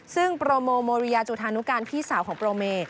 ซึ่งโปรโมโมริยาจุธานุการพี่สาวของโปรเม